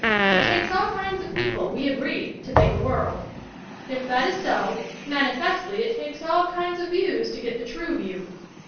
It takes all kinds of people, we agree, to make a world; if that is so, manifestly it takes all kinds of views to get the true view.